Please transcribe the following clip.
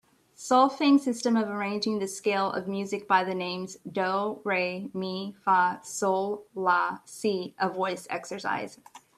Solfaing system of arranging the scale of music by the names do, re, mi, fa, sol, la, si a voice exercise